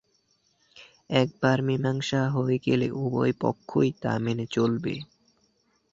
একবার মীমাংসা হয়ে গেলে উভয় পক্ষই তা মেনে চলবে।